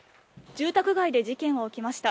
住宅街で事件は起きました。